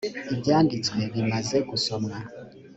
ibyanditswe bimaze gusomwa